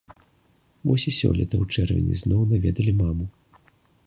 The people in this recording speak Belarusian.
Вось і сёлета ў чэрвені зноў наведалі маму.